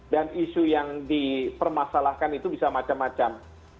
dan isu yang dipermasalahkan itu bisa macam macam